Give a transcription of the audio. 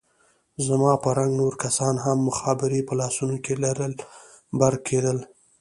زما په رنګ نور کسان هم مخابرې په لاسو کښې لر بر کېدل.